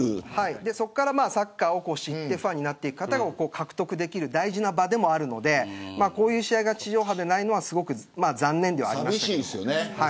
そこからサッカーを知ってファンの方を獲得できる大事な場でもあるのでこういう試合が地上波でないのはすごく残念だと。